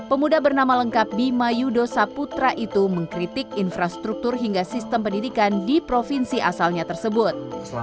pemuda bernama lengkap bima yudo saputra itu mengkritik infrastruktur hingga sistem pendidikan di provinsi asalnya tersebut